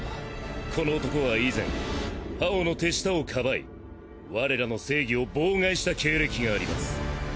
この男は以前ハオの手下をかばい我らの正義を妨害した経歴があります。